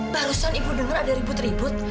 barusan ibu dengar ada ribut ribut